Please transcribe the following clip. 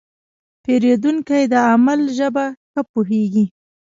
پیرودونکی د عمل ژبه ښه پوهېږي.